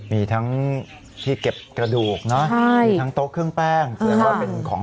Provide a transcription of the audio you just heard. มีทั้งที่เก็บกระดูกมีทั้งโต๊ะเครื่องแป้ง